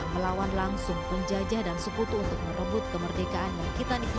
kalau dulu untuk merebut mempertahankan